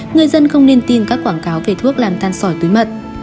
người dân không nên tin các quảng cáo về thuốc làm than sỏi túi mật